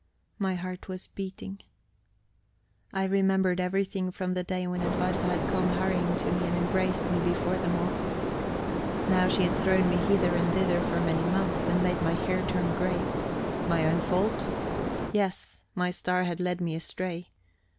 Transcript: My heart was beating. I remembered everything from the day when Edwarda had come hurrying to me and embraced me before them all. Now she had thrown me hither and thither for many months, and made my hair turn grey. My own fault? Yes, my star had led me astray.